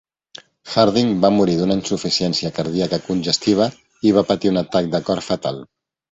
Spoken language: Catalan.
Harding va morir d'una insuficiència cardíaca congestiva i va patir un atac de cor fatal.